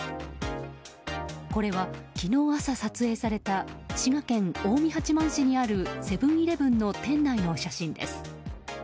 これは昨日朝、撮影された滋賀県近江八幡市にあるセブン‐イレブンの店内の写真です。